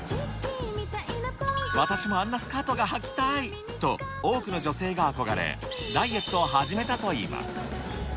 私もあんなスカートがはきたいと、多くの女性が憧れ、ダイエットを始めたといいます。